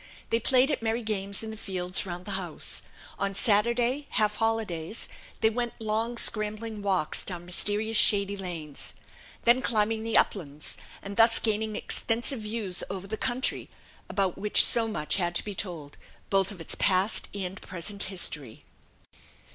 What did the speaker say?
They played at merry games in the fields round the house: on Saturday half holidays they went long scrambling walks down mysterious shady lanes, then climbing the uplands, and thus gaining extensive views over the country, about which so much had to be told, both of its past and present history.